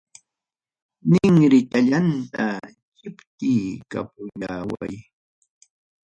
Ninrichallanta chiptiykapullaway.